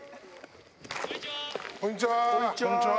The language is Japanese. こんにちは。